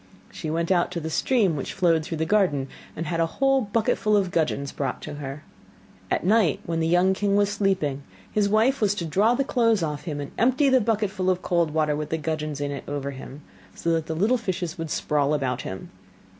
She went out to the stream which flowed through the garden, and had a whole bucketful of gudgeons brought to her. At night when the young king was sleeping, his wife was to draw the clothes off him and empty the bucket full of cold water with the gudgeons in it over him, so that the little fishes would sprawl about him.